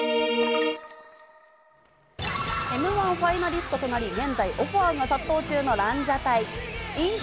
Ｍ−１ファイナリストとなり現在オファーが殺到中のランジャタイ。